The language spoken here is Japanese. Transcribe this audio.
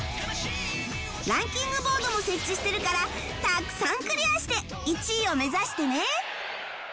ランキングボードも設置しているからたくさんクリアして１位を目指してね